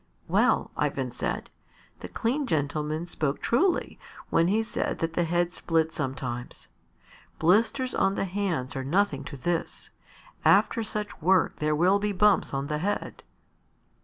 "Well," Ivan said, "the clean gentleman spoke truly when he said that the head splits sometimes. Blisters on the hands are nothing to this; after such work there will be bumps on the head."